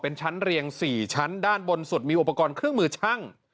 เป็นชั้นเรียง๔ชั้นด้านบนสุดมีอุปกรณ์เครื่องมือช่าง